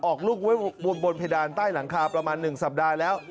ออกลูกไว้บนเพดานใต้หลังคาประมาณ๑สัปดาห์แล้ว